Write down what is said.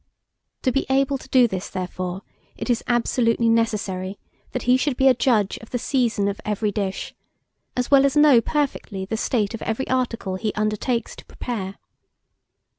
To be able to do this, therefore, it is absolutely necessary that he should be a judge of the season of every dish, as well as know perfectly the state of every article he undertakes to prepare.